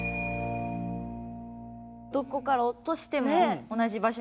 どこから落としても同じ場所に集まって。